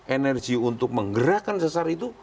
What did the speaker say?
energi untuk menggerakkan sesar itu